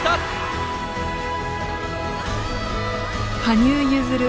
羽生結弦